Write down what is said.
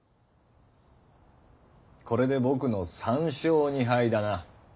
これで僕の３勝２敗だな。